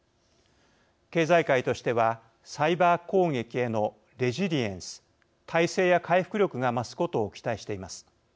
経済界としてはサイバー攻撃へのレジリエンス耐性や回復力が増すことを期待しています。